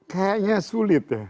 kayaknya sulit ya